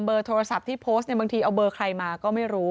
โทรศัพท์ที่โพสต์เนี่ยบางทีเอาเบอร์ใครมาก็ไม่รู้